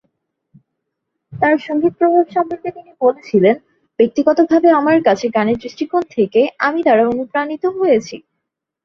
তাঁর সংগীত প্রভাব সম্পর্কে তিনি বলেছিলেন: "ব্যক্তিগতভাবে আমার কাছে, গানের দৃষ্টিকোণ থেকে আমি দ্বারা অনুপ্রাণিত হয়েছি"।